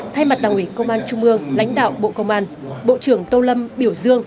thay mặt đảng ủy công an trung ương lãnh đạo bộ công an bộ trưởng tô lâm biểu dương